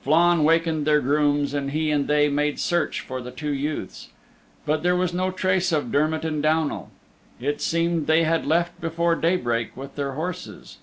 Flann wakened their grooms and he and they made search for the two youths. But there was no trace of Dermott and Downal. It seemed they had left before daybreak with their horses.